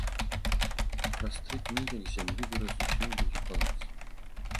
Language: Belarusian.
Праз тры дні, як з зямлі, вырас зусім другі палац.